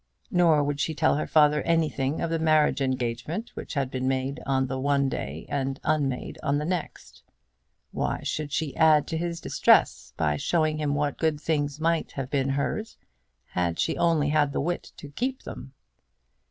Nor would she tell her father anything of the marriage engagement which had been made on one day and unmade on the next. Why should she add to his distress by showing him what good things might have been hers had she only had the wit to keep them?